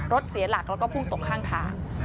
เสียหลักแล้วก็พุ่งตกข้างทาง